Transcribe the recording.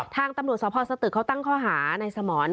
ทางตำรวจสภาษณ์สตรึกเขาตั้งเข้าหาในสมร